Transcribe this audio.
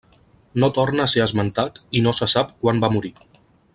No torna a ser esmentat i no se sap quan va morir.